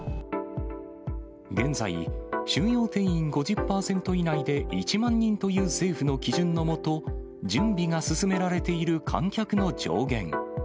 現在、収容定員５０％以内で１万人という、政府の基準の下、準備が進められている観客の上限。